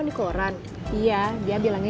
mungkin dia bisa ke sini